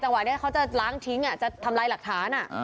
จังหวะนี้เขาจะล้างทิ้งจะทำลายหลักฐาน